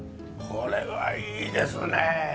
これはいいですね！